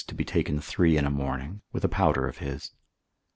to be taken three in a morning, with a powder of his.